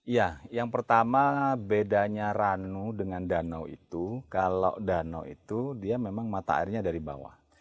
ya yang pertama bedanya ranu dengan danau itu kalau danau itu dia memang mata airnya dari bawah